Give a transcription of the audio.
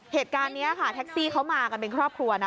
เหตุการณ์นี้ค่ะแท็กซี่เขามากันเป็นครอบครัวนะ